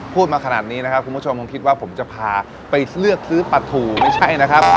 พูดมาขนาดนี้นะครับคุณผู้ชมคงคิดว่าผมจะพาไปเลือกซื้อปลาถูไม่ใช่นะครับ